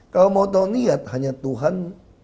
kalau mau tahu niat hanya tuhan